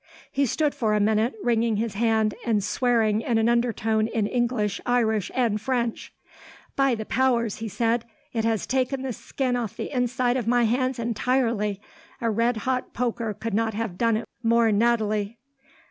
He stood for a minute, wringing his hand, and swearing in an undertone in English, Irish, and French. "By the powers," he said, "it has taken the skin off the inside of my hands, entirely! A red hot poker could not have done it more nately!